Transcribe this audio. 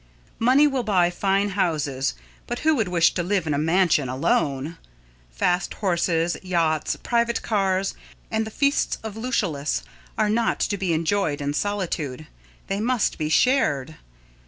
Money will buy fine houses, but who would wish to live in a mansion alone! Fast horses, yachts, private cars, and the feasts of Lucullus, are not to be enjoyed in solitude; they must be shared.